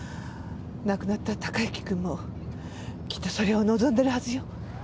亡くなった孝之くんもきっとそれを望んでるはずよ。